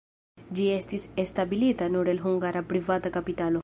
Ĝi estis establita nur el hungara privata kapitalo.